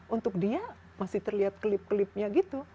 untuk dia masih terlihat kelip kelipnya gitu